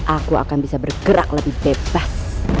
aku akan bisa bergerak lebih bebas